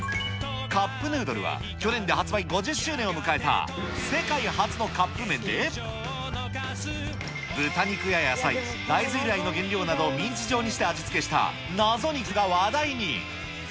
カップヌードルは、去年で発売５０周年を迎えた、世界初のカップ麺で、豚肉や野菜、大豆由来の原料などをミンチ状に味付けした謎肉が話題に。